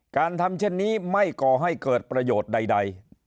การทำเช่นนี้ไม่ก่อให้เกิดประโยชน์ใด